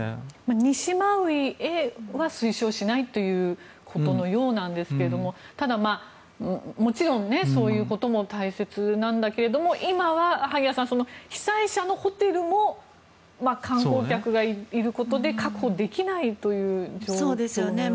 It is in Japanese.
西マウイへは推奨しないということのようですがただ、もちろんそういうことも大切なんだけども今は萩谷さん、被災者のホテルも観光客がいることで確保できないという状況のようですが。